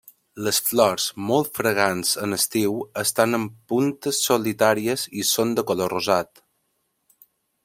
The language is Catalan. Les flors, molt fragants en estiu, estan en puntes solitàries i són de color rosat.